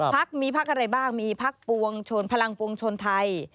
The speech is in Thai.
พักมีพักอะไรบ้างมีพักปวงชนพลังปวงชนไทย